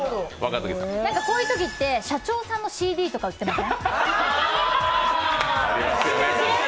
こういうときって社長さんのＣＤとか売ってません？